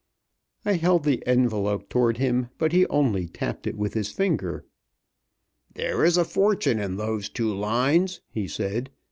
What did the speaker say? I held the envelope toward him, but he only tapped it with his finger. "There is a fortune in those two lines," he said.